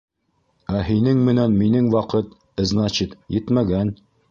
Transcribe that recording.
Ә һинең менән минең ваҡыт, ызначит, етмәгән.